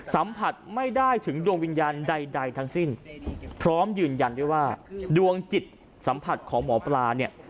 สัมผัสไม่ได้ถึงดวงวิญญาณใดทั้งสิ้นพร้อมยืนยันด้วยว่าดวงจิตสัมผัสของหมอปลาเนี่ย